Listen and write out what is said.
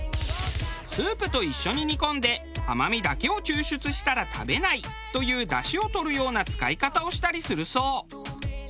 スープと一緒に煮込んで甘みだけを抽出したら食べないという出汁を取るような使い方をしたりするそう。